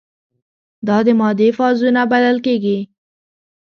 دا د مادې فازونه بلل کیږي.